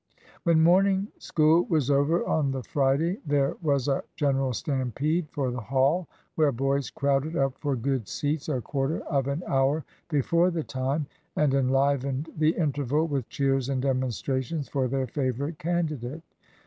When morning school was over on the Friday, there was a general stampede for the Hall, where boys crowded up for good seats a quarter of an hour before the time, and enlivened the interval with cheers and demonstrations for their favourite candidate.